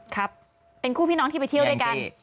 ครับเป็นคู่พี่น้องที่ไปเที่ยวด้วยกัน